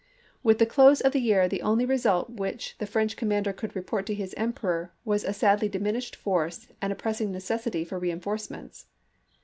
With the close of the year the only result which the French commander could report to his Emperor was a sadly diminished force and a pressing necessity for reenforcements.